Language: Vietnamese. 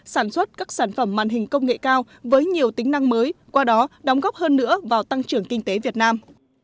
sản xuất các sản phẩm màn hình công nghệ cao với nhiều tính năng mới qua đó đóng góp hơn nữa vào tăng trưởng kinh tế việt nam